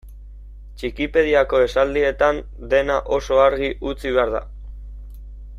Txikipediako esaldietan dena oso argi utzi behar da.